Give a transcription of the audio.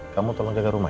kamu tolong jaga rumah ya